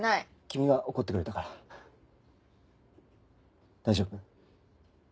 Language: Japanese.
君が怒ってくれたから大丈夫。